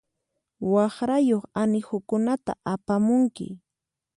Waqrayuq anihukunata apamunki.